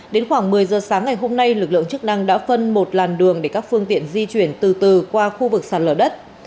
đến khoảng một mươi giờ sáng ngày hôm nay lực lượng chức năng đã phân một làn đường để các phương tiện di chuyển từ từ qua khu vực sạt lở đất